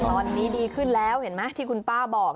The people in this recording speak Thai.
ตอนนี้ดีขึ้นแล้วเห็นไหมที่คุณป้าบอก